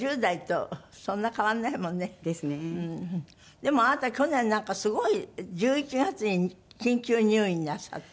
でもあなた去年なんかすごい１１月に緊急入院なさって。